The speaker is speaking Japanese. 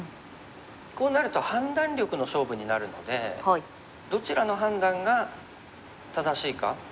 こうなると判断力の勝負になるのでどちらの判断が正しいか。